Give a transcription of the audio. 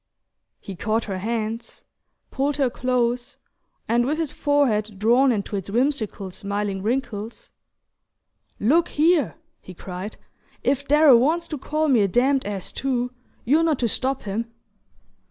He caught her hands, pulled her close, and, with his forehead drawn into its whimsical smiling wrinkles, "Look here," he cried, "if Darrow wants to call me a damned ass too you're not to stop him!"